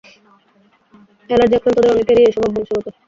Allergy আক্রান্তদের অনেকেরই এ স্বভাব বংশগত।